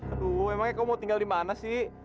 aduh emangnya kamu mau tinggal di mana sih